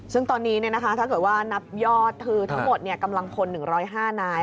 ซึ่งตอนนี้ถ้าเกิดว่านับยอดคือทั้งหมดกำลังพล๑๐๕นาย